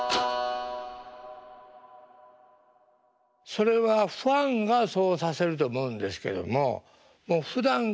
それはファンがそうさせると思うんですけどももうふだんから男役でいないといけない。